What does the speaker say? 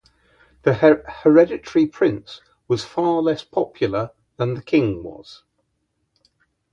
The Hereditary Prince was far less popular than the King was.